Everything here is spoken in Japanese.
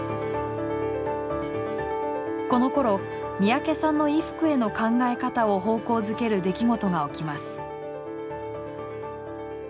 このころ三宅さんの衣服への考え方を方向づける出来事が起きます。